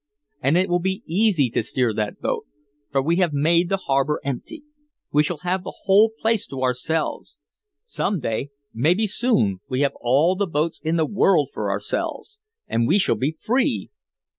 And it will be easy to steer that boat for we have made the harbor empty we shall have the whole place to ourselves! Some day maybe soon we have all the boats in the world for ourselves and we shall be free!